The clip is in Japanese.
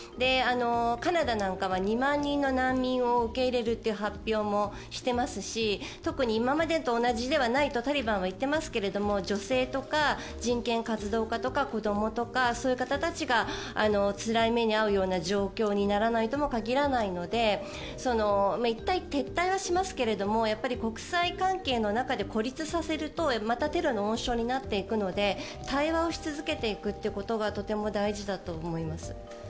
カナダなんかは２万人の難民を受け入れるという発表もしていますし特に今までと同じでないとタリバンは言ってますが女性とか人権活動家とか子どもとかそういう方たちがつらい目に遭うような状況にならないとも限らないので１回撤退はしますけど国際関係の中で孤立させるとまたテロの温床になっていくので対話をし続けていくということがとても大事だと思います。